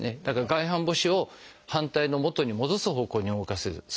だから外反母趾を反対の元に戻す方向に動かせる。